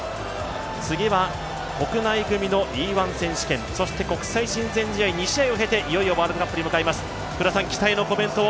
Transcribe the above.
次は国内組のＥ−１選手権、そして国際親善試合２試合を経ていよいよワールドカップに向かいます。